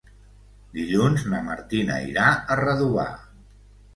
Dilluns na Martina irà a Redovà.